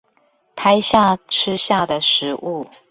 拍下吃下的食物